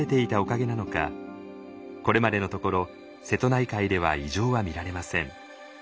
これまでのところ瀬戸内海では異常は見られません。